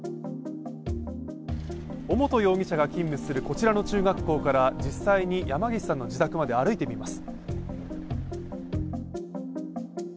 尾本容疑者が勤務するこちらの中学校から実際に山岸さんの自宅まで歩いてみます。